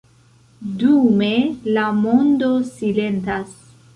Dume la mondo silentas.